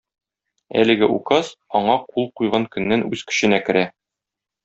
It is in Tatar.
Әлеге Указ аңа кул куйган көннән үз көченә керә.